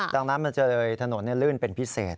ดังนั้นมันจะเลยถนนลื่นเป็นพิเศษ